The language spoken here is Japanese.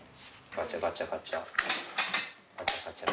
ガチャガチャガチャ。